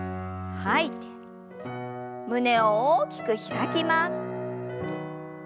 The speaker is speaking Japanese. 胸を大きく開きます。